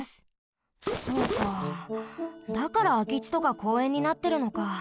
そうかだからあきちとかこうえんになってるのか。